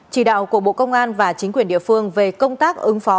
chỉ đạo của bộ công an và chính quyền địa phương về công tác ứng phó